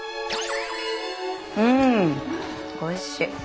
うんおいしい。